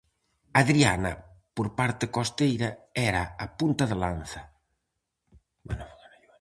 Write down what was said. Adriana por parte costeira era a punta de lanza.